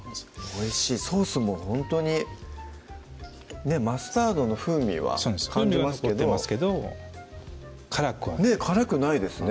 おいしいソースもほんとにマスタードの風味は感じますけど辛くはないねっ辛くないですね